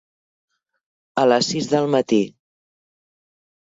A les sis del matí.